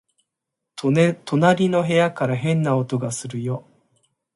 隣の部屋から変な音がするよ